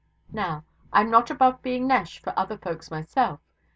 Now, I'm not above being nesh for other folks myself.